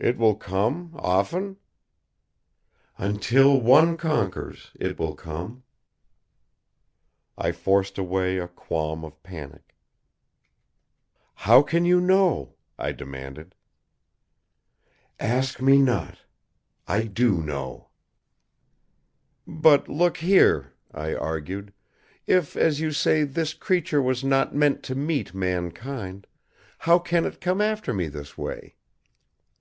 "It will come often?" "Until one conquers, It will come." I forced away a qualm of panic. "How can you know?" I demanded. "Ask me not. I do know." "But, look here!" I argued. "If as you say, this creature was not meant to meet mankind, how can It come after me this way?"